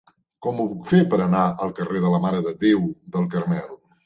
Com ho puc fer per anar al carrer de la Mare de Déu del Carmel?